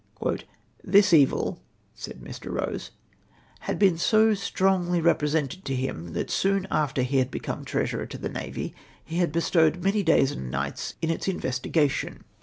" This evil," said Mr. Eose, " had been so strongly repre sented to him, that soon after he had become treasurer to the Navy he had bestowed many days and nights in its in vestigation.